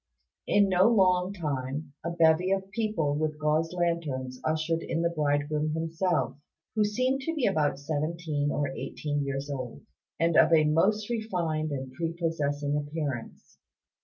In no long time, a bevy of people with gauze lanterns ushered in the bridegroom himself, who seemed to be about seventeen or eighteen years old, and of a most refined and prepossessing appearance.